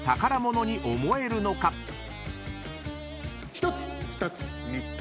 １つ２つ３つ。